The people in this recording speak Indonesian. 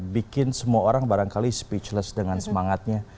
bikin semua orang barangkali speechless dengan semangatnya